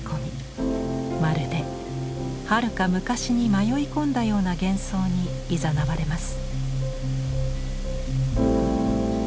まるではるか昔に迷い込んだような幻想にいざなわれます。